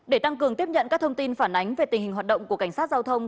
để tăng cường tiếp nhận các thông tin phản ánh về tình hình hoạt động của cảnh sát giao thông